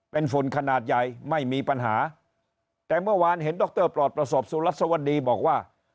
เป็นฝุ่นขนาดใหญ่ไม่มีปัญหาแต่เมื่อวานเห็นดรปลอดประสบสุรัสวดีบอกว่า